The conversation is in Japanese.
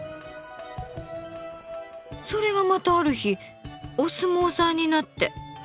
それがまたある日お相撲さんになって。